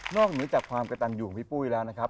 เหนือจากความกระตันอยู่ของพี่ปุ้ยแล้วนะครับ